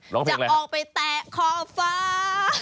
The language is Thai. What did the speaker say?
ร้องเพลงอะไรครับจะออกไปแตะคอฟ้า